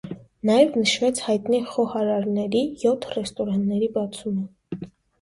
Նաև նշվեց հայտնի խոհարարների յոթ ռեստորանների բացումը։